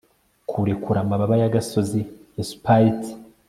kurekura amababa ya gasozi ya spite